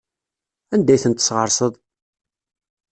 Anda ay ten-tesɣesreḍ?